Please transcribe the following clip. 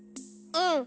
うん。